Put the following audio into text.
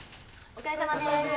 お疲れさまです。